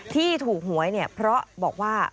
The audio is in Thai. ที่ถูกหวยเนี่ยเพราะบอกว่า